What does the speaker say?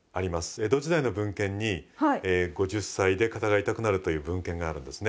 江戸時代の文献に５０歳で肩が痛くなるという文献があるんですね。